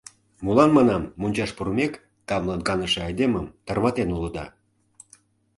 Молан, манам, мончаш пурымек, тамлын каныше айдемым тарватен улыда?